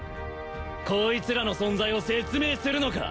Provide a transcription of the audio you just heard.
こいつらの存在を説明するのか？